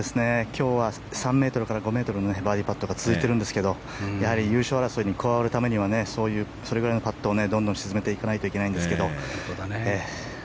今日は３ｍから５ｍのバーディーパットが続いているんですけどやはり優勝争いに加わるためにはそれぐらいのパットをどんどん沈めていかないといけないんですけど。